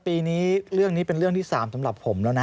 ปีนี้เรื่องนี้เป็นเรื่องที่๓สำหรับผมแล้วนะ